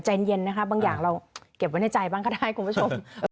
ใจเย็นนะคะบางอย่างเราเก็บไว้ในใจบ้างก็ได้คุณผู้ชม